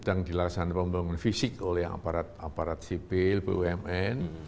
sedang dilaksanakan pembangunan fisik oleh aparat aparat sipil bumn